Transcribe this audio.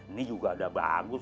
ini juga udah bagus